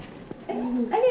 あれ？